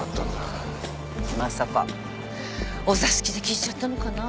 まさかお座敷で聞いちゃったのかな？